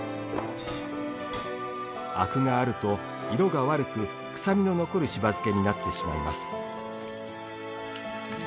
あくがあると色が悪く、臭みの残るしば漬けになってしまいます。